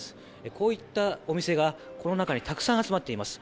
こういったお店がこの中にたくさん集まっています。